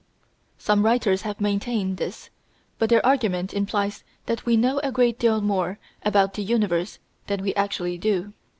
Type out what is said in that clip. Some writers have maintained this, but their argument implies that we know a great deal more about the universe than we actually do.